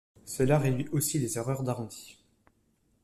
Cela réduit aussi les erreurs d'arrondi.